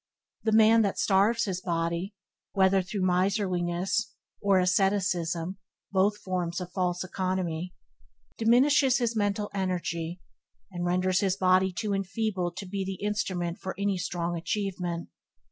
The man that starves his body, whether through miserliness or asceticism (both forms of false economy), diminishes his mental energy, and renders his body too enfeebled to be the instrument for any strong achievement.